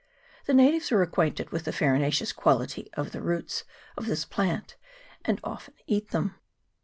The natives are acquainted with the farinaceous quality of the roots of this plant, and often eat them.